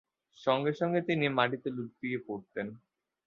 সঙ্গে সঙ্গে তিনি মাটিতে লুটিয়ে পড়েন।